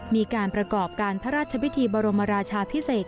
มีการประกอบการพระราชพิธีบรมราชาพิเศษ